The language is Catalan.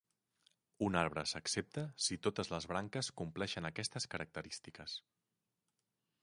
Un arbre s'accepta si totes les branques compleixen aquestes característiques.